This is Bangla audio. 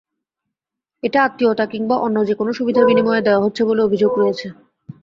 এটা আত্মীয়তা কিংবা অন্য যেকোনো সুবিধার বিনিময়ে দেওয়া হচ্ছে বলে অভিযোগ রয়েছে।